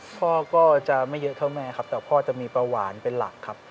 พ่อก็จะไม่เยอะเท่าแม่ครับแต่พ่อจะมีเบาหวานเป็นหลักครับ